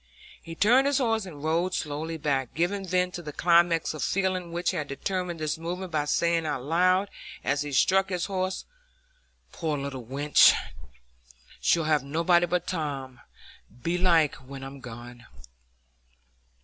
He turned his horse, and rode slowly back, giving vent to the climax of feeling which had determined this movement by saying aloud, as he struck his horse, "Poor little wench! she'll have nobody but Tom, belike, when I'm gone."